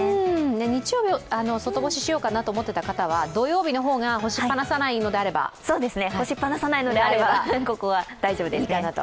日曜日、外干ししようかなと思っていた方は、土曜日の方が干しっぱなさないのであれば、いいかなと。